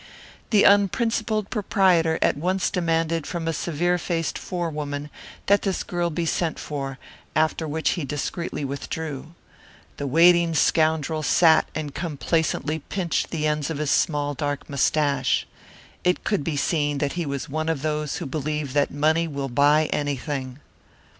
The unprincipled proprietor at once demanded from a severe faced forewoman that this girl be sent for, after which he discreetly withdrew. The waiting scoundrel sat and complacently pinched the ends of his small dark mustache. It could be seen that he was one of those who believe that money will buy anything.